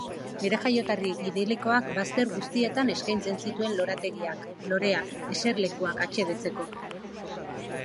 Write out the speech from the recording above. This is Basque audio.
Nire jaioterri idilikoak bazter guztietan eskaintzen zituen lorategiak, loreak, eserlekuak atsedeteko.